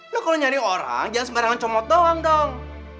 ya kalau nyari orang jangan sembarangan comot doang dong